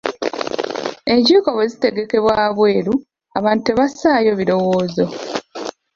Enkiiko bwe zitegekebwa waabweru, abantu tebassaayo birowoozo.